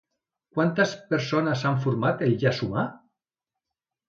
Quantes persones han format el llaç humà?